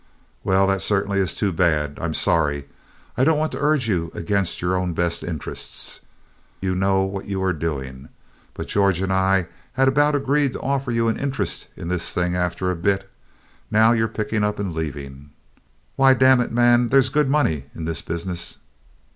"Well, that certainly is too bad. I'm sorry. I don't want to urge you against your own best interests. You know what you are doing. But George and I had about agreed to offer you an interest in this thing after a bit. Now you're picking up and leaving. Why, damn it, man, there's good money in this business."